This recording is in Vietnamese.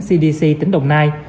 cdc tỉnh đồng nai